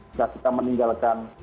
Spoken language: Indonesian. jika kita meninggalkan